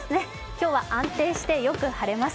今日は安定してよく晴れます。